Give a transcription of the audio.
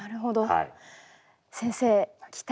はい。